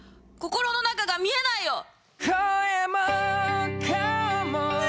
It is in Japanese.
心の中が見えないよ！